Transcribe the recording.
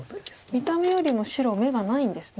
見た目よりも白眼がないんですね。